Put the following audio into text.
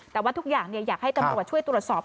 แต่ว่าทุกอย่างอยากให้ตำรวจช่วยตรวจสอบ